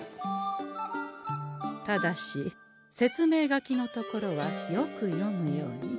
ただし説明書きのところはよく読むように。